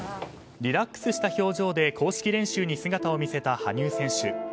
リラックスした表情で公式練習に姿を見せた羽生選手。